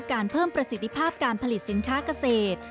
เพิ่มประสิทธิภาพการผลิตสินค้าเกษตร